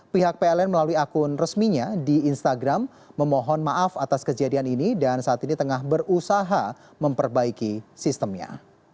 pihak pln melalui akun resminya di instagram memohon maaf atas kejadian ini dan saat ini tengah berusaha memperbaiki sistemnya